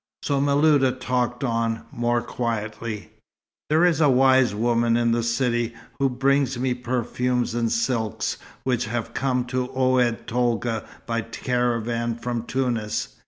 So Miluda talked on, more quietly. "There is a wise woman in the city, who brings me perfumes and silks which have come to Oued Tolga by caravan from Tunis.